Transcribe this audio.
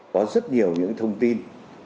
có rất nhiều những thông tin